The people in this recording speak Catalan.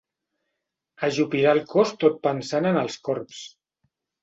Ajupirà el cos tot pensant en els corbs.